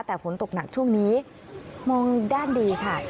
แต่ฝนตกหนักช่วงนี้มองด้านดีค่ะ